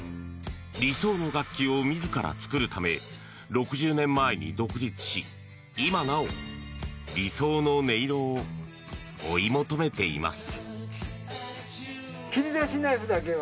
理想の楽器を自ら作るため６０年前に独立し今なお、理想の音色を追い求めています。